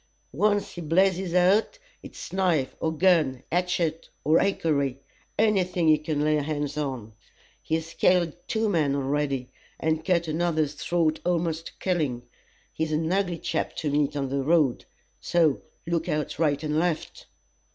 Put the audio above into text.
Once he blazes out, it's knife or gun, hatchet or hickory any thing he can lay hands on. He's killed two men already, and cut another's throat a'most to killing. He's an ugly chap to meet on the road, so look out right and left."